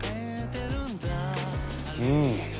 うん。